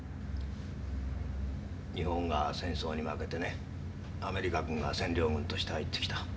日本が戦争に負けてねアメリカ軍が占領軍として入ってきた。